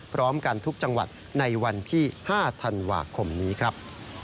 พร้อมกันทุกจังหวัดในวันที่๕ธันวาคมนี้ครับ